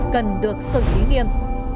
cần được sự ý nghiêm